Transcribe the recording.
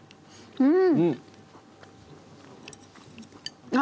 うん！